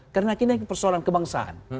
karena ini persoalan kebangsaan